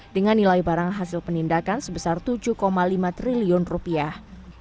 dengan nilai barang hasil penindakan sebesar tujuh lima triliun rupiah